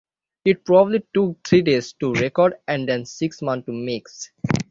It probably took three days to record and then six months to mix.